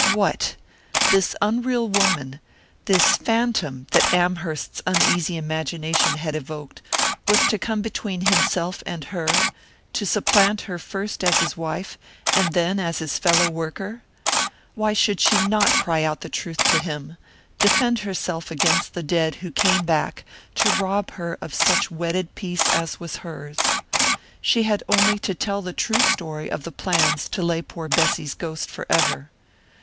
What! This unreal woman, this phantom that Amherst's uneasy imagination had evoked, was to come between himself and her, to supplant her first as his wife, and then as his fellow worker? Why should she not cry out the truth to him, defend herself against the dead who came back to rob her of such wedded peace as was hers? She had only to tell the true story of the plans to lay poor Bessy's ghost forever!